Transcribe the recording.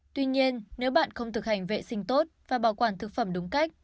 tuy nhiên nếu bạn không thực hành vệ sinh tốt và bảo quản thực phẩm đúng cách